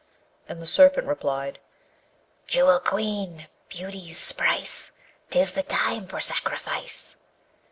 And the Serpent replied, Jewel Queen! beauty's price! 'Tis the time for sacrifice!